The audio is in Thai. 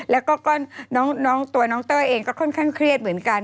แล้วก็น้องตัวน้องเต้ยเองก็ค่อนข้างเครียดเหมือนกัน